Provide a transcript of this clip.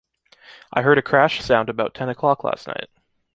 I heard a crash sound about ten o'clock last night.